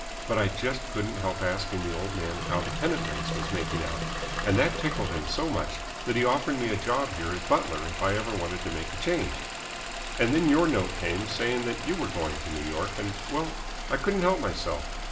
But I just couldn't help asking the old man how the pennant race was making out, and that tickled him so much that he offered me a job here as butler if I ever wanted to make a change. And then your note came saying that you were going to New York, and well, I couldn't help myself.